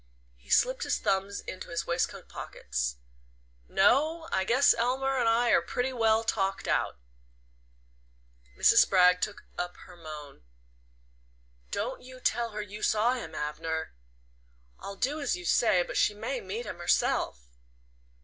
He slipped his thumbs into his waistcoat pockets. "No I guess Elmer and I are pretty well talked out." Mrs. Spragg took up her moan. "Don't you tell her you saw him, Abner." "I'll do as you say; but she may meet him herself."